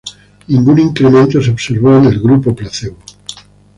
Ningún incremento se observó en el grupo placebo.